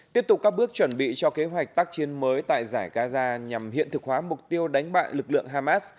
tiếp tục các bước chuẩn bị cho kế hoạch tác chiến mới tại giải gaza nhằm hiện thực hóa mục tiêu đánh bại lực lượng hamas